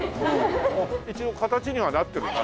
一応形にはなってるな。